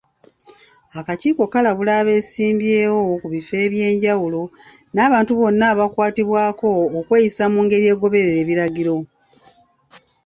Akakiiko kalabula abeesimbyewo ku bifo eby'enjawulo n'abantu bonna abakwatibwako, okweyisa mungeri egoberera ebiragiro.